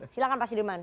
silahkan pak sudirman